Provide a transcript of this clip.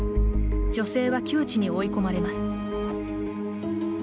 女性は窮地に追い込まれます。